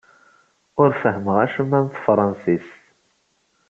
Ur fehhmeɣ acemma n tefṛensist.